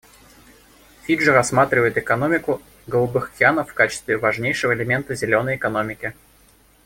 Фиджи рассматривает «экономику голубых океанов» в качестве важнейшего элемента «зеленой экономики».